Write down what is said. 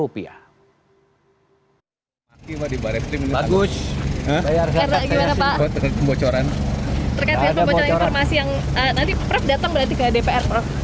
nanti prof datang berarti ke dpr prof